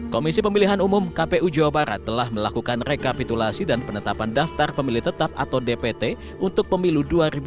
komisi pemilihan umum kpu jawa barat telah melakukan rekapitulasi dan penetapan daftar pemilih tetap atau dpt untuk pemilu dua ribu dua puluh